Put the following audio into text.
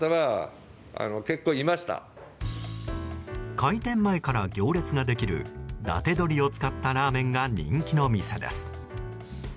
開店前から行列ができる伊達鶏を使ったラーメンが人気の店です。